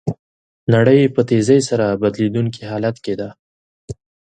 نړۍ په تېزۍ سره بدلیدونکي حالت کې ده.